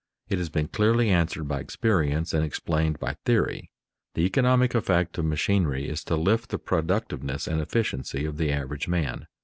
It has been clearly answered by experience and explained by theory: the economic effect of machinery is to lift the productiveness and efficiency of the average man.